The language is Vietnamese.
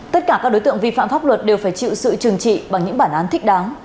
tất cả các đối tượng vi phạm pháp luật đều phải chịu sự trừng trị bằng những bản án thích đáng